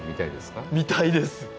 見たいですか？